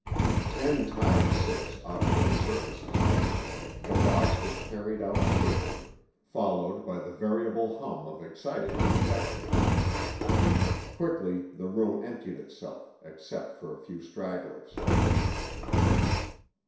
Ten times six offered their services. The box was carried out swiftly, followed by the variable hum of excited conjecture. Quickly the room emptied itself, except for a few stragglers.